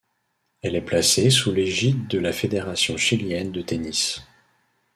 Elle est placée sous l'égide de la Fédération chilienne de tennis.